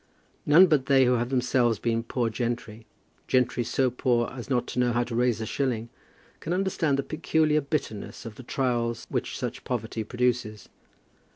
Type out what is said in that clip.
None but they who have themselves been poor gentry, gentry so poor as not to know how to raise a shilling, can understand the peculiar bitterness of the trials which such poverty produces.